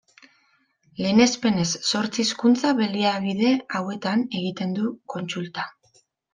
Lehenespenez, zortzi hizkuntza-baliabide hauetan egiten du kontsulta.